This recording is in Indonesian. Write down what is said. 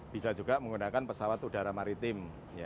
bisa juga menggunakan pesawat udara maritim